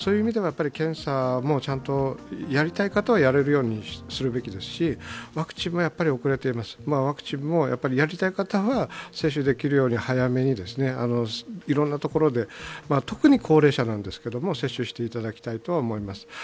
やっぱり検査もちゃんとやりたい方はやれるようにするべきですしワクチンも遅れています、ワクチンもやりたい方は接種できるように、早めにいろんなところで特に高齢者なんですけど接種していただきたいと思います